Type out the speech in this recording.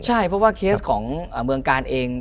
ใช่เพราะว่าเคสของเมืองกาลเอง